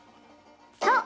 そう！